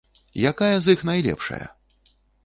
Якая з іх найлепшая?